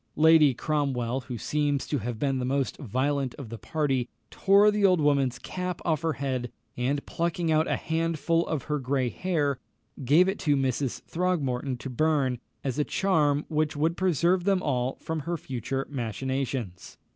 Lady Cromwell, who seems to have been the most violent of the party, tore the old woman's cap off her head, and plucking out a handful of her grey hair, gave it to Mrs. Throgmorton to burn, as a charm which would preserve them all from her future machinations.